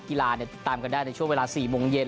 ติดตามกันได้ในช่วงเวลา๔โมงเย็น